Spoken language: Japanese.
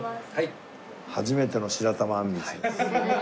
初めての白玉あんみつです。